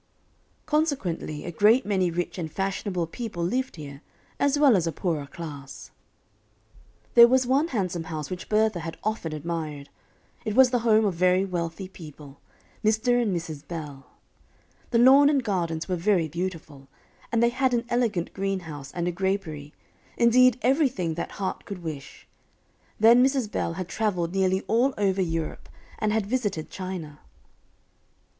Consequently a great many rich and fashionable people lived here, as well as a poorer class. There was one handsome house which Bertha had often admired. It was the home of very wealthy people Mr. and Mrs. Bell. The lawn and gardens were very beautiful, and they had an elegant greenhouse and a grapery, indeed, everything that heart could wish. Then Mrs. Bell had traveled nearly all over Europe, and had visited China.